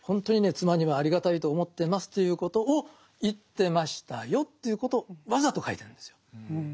妻にはありがたいと思ってますということを言ってましたよということをわざと書いてるんですよ。